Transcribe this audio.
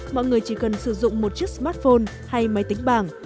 mọi người chỉ cần sử dụng một chiếc smartphone hay máy tính bảng